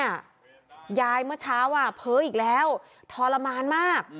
ยายเมื่อเช้าเผลออีกแล้วทรมานมาก